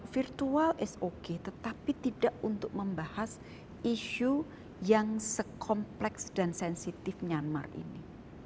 virtual is okay tetapi tidak untuk membahas isu yang sekompleks dan sensitif myanmar ini